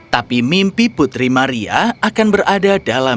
tapi mimpi putri maria akan berada dalam